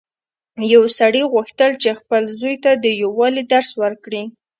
یو سړي غوښتل چې خپل زوی ته د یووالي درس ورکړي.